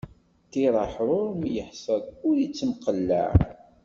Ṭṭiṛ aḥṛuṛ ma iḥṣel, ur ittemqellaɛ.